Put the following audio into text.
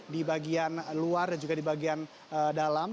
di bagian luar dan juga di bagian dalam